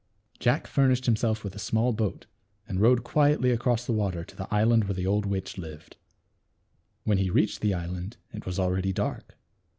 Jack furnished himself with a small boat, and rowed quietly across the water to the island where the old witch lived. When, he reached the island it was already dark.